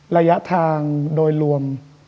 ระยะทางโดยรวม